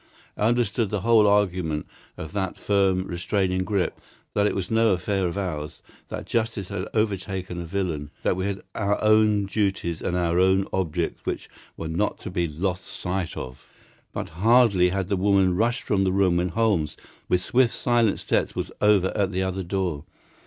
I understood the whole argument of that firm, restraining grip—that it was no affair of ours; that justice had overtaken a villain; that we had our own duties and our own objects which were not to be lost sight of. But hardly had the woman rushed from the room when Holmes, with swift, silent steps, was over at the other door.